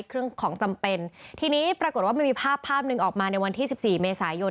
เครื่องของจำเป็นที่นี้ปรากฏว่ามีภาพหนึ่งออกมาในวันที่๑๔เมษายน